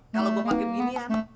kalau gue pake beginian